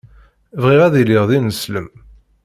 Bɣiɣ ad iliɣ d ineslem.